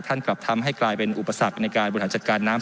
กลับทำให้กลายเป็นอุปสรรคในการบริหารจัดการน้ำ